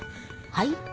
はい？